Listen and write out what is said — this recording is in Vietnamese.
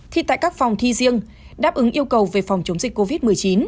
thi tại các phòng thi riêng đáp ứng yêu cầu về phòng chống dịch covid một mươi chín